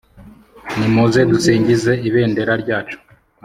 Nimuze dusingize Ibendera ryacu.